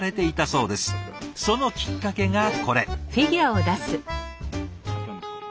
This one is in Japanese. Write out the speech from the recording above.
そのきっかけがこれ。